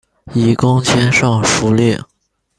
以功迁尚书令。